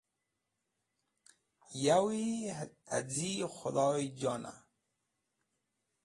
Yowi az̃i Khũdhoyjon a.